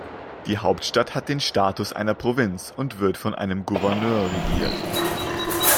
Die Hauptstadt hat den Status einer Provinz und wird von einem Gouverneur regiert.